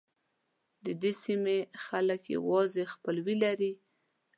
ددې سیمو خلک سره خپلوي لري او یو بل پالي.